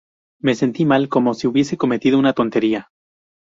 Me sentí mal como si hubiese cometido una tontería.